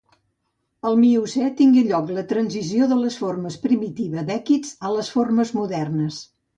Al Miocè tingué lloc la transició de les formes primitives d'èquids a les formes modernes.